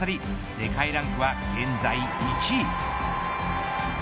世界ランクは現在１位。